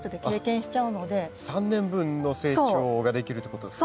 ３年分の成長ができるってことですね。